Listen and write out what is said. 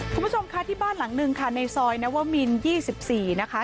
คุณผู้ชมค่ะที่บ้านหลังหนึ่งค่ะในซอยนวมิน๒๔นะคะ